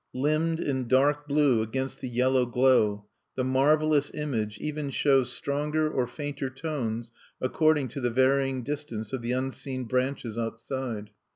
Limned in dark blue against the yellow glow, the marvelous image even shows stronger or fainter tones according to the varying distance of the unseen branches outside.